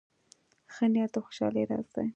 ښه نیت د خوشحالۍ راز دی.